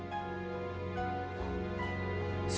suasana memang terasa